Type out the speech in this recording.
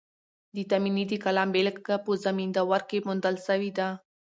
د تایمني د کلام بېلګه په زمینداور کښي موندل سوې ده.